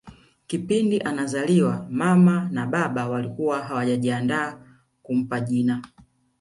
Kipindi anazaliwa mama na baba walikuwa hawajajiandaa kumpa jina